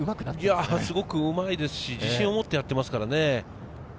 すごくうまいですし、自信を持ってやっていますからね。